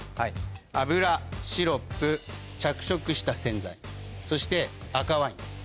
油シロップ着色した洗剤そして赤ワインです。